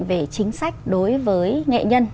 về chính sách đối với nghệ nhân